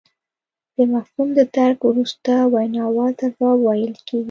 د مفهوم د درک وروسته ویناوال ته ځواب ویل کیږي